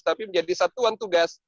tapi menjadi satuan tugas